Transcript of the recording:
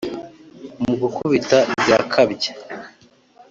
Mu gukubita zirakabya,